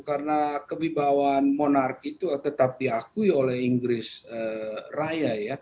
karena kebibawan monarki itu tetap diakui oleh inggris raya